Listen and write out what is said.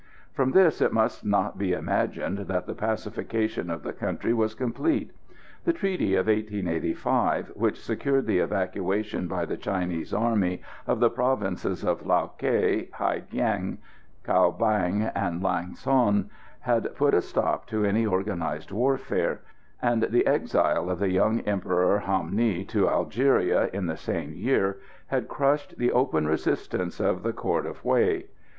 From this it must not be imagined that the pacification of the country was complete. The treaty of 1885, which secured the evacuation by the Chinese army of the provinces of Lao Kay, Ha Giang, Cao Bang and Lang son, had put a stop to any organised warfare; and the exile of the young Emperor Ham Nghi to Algeria in the same year had crushed the open resistance of the court of Hué.